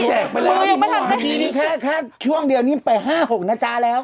พอแยกไปแล้วทีนี้แค่ช่วงเดียวนี้ไป๕๖นาจ้าแล้ว